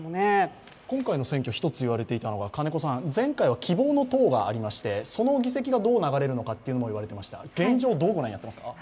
今回の選挙、１つ言われていたのは、前回は希望の党がありましてその議席がどう流れるのかとも言われていました現状どう御覧になっていますか？